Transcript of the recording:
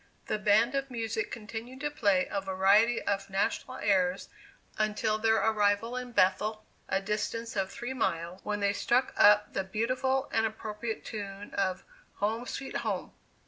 The band of music continued to play a variety of national airs until their arrival in Bethel, (a distance of three miles,) when they struck up the beautiful and appropriate tune of 'Home, Sweet Home!